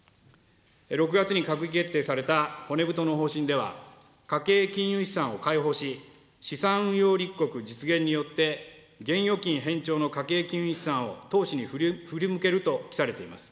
６月に閣議決定された骨太の方針では、家計金融資産を解放し、資産運用立国実現によって現預金偏重の家計金融資産を投資に振り向けると記されています。